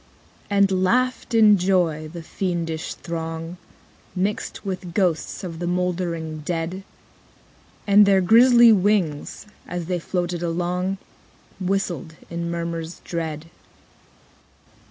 15. And laughed, in joy, the fiendish throng, Mixed with ghosts of the mouldering dead: And their grisly wings, as they floated along, Whistled in murmurs dread.